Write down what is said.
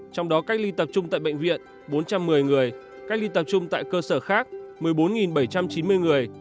trong đó cách ly tập trung tại bệnh viện bốn trăm một mươi người cách ly tập trung tại cơ sở khác một mươi bốn bảy trăm chín mươi người